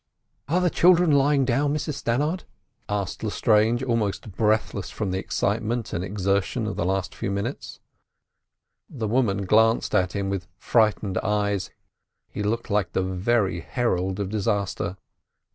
"Are the children lying down, Mrs Stannard?" asked Lestrange, almost breathless from the excitement and exertion of the last few minutes. The woman glanced at him with frightened eyes. He looked like the very herald of disaster.